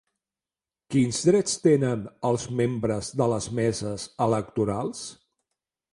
Quins drets tenen els membres de les meses electorals?